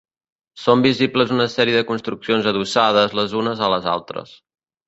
Són visibles una sèrie de construccions adossades les unes a les altres.